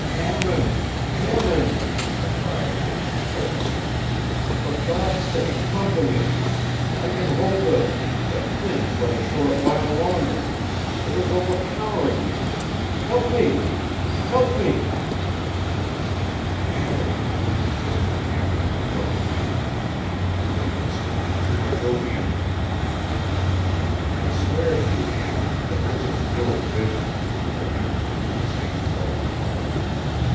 “Hammond! Hammond!” I cried again, despairingly, “for God’s sake come to me. I can hold the—the thing but a short while longer. It is overpowering me. Help me! Help me!” “Harry,” whispered Hammond, approaching me, “you have been smoking too much opium.” “I swear to you, Hammond, that this is no vision,” I answered, in the same low tone.